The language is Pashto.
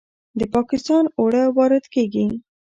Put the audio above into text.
د پاکستان اوړه وارد کیږي.